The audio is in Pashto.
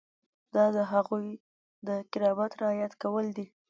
دا د هغوی د کرامت رعایت کول دي.